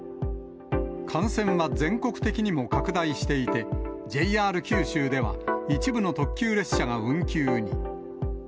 感染は全国的にも拡大していて、ＪＲ九州では、一部の特急列車が運休に。